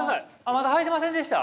まだはいてませんでした？